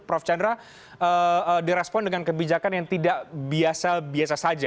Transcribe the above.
prof chandra direspon dengan kebijakan yang tidak biasa biasa saja